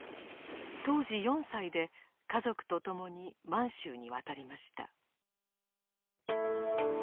当時４歳で家族と共に満州に渡りました。